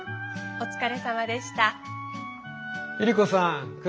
お疲れさまでした。